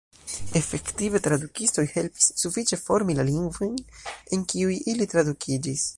Efektive, tradukistoj helpis sufiĉe formi la lingvojn en kiuj ili tradukiĝis.